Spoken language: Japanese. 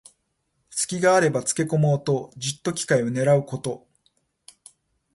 すきがあればつけこもうと、じっと機会をねらうこと。